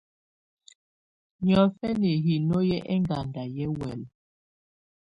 Niɔ́fɛnɛ hinó hɛ́ ɛŋgada yɛ́ huɛ́lɛ.